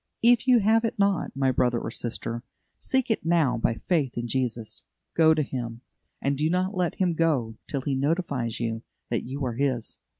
If you have it not, my brother or sister, seek it now by faith in Jesus. Go to Him, and do not let Him go till He notifies you that you are His.